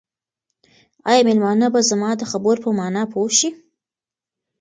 آیا مېلمانه به زما د خبرو په مانا پوه شي؟